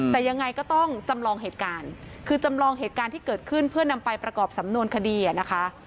แต่ยังไงก็ต้องจำลองเหตุการณ์คือจำลองเหตุการณ์ที่เกิดขึ้นเพื่อนำไปประกอบสำนวนคดีอ่ะนะคะ